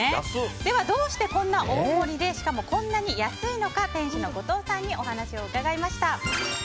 どうしてこんな大盛りでこんなに安いのか店主の後藤さんに伺いました。